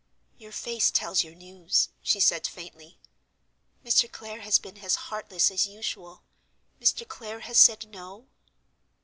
"Your face tells your news," she said faintly. "Mr. Clare has been as heartless as usual—Mr. Clare has said No?"